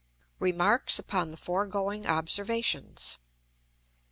_ _Remarks upon the foregoing Observations.